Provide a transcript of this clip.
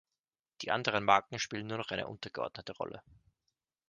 Die anderen Marken spielen nur noch eine untergeordnete Rolle.